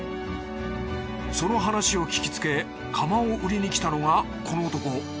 その話を聞きつけ釜を売りにきたのがこの男。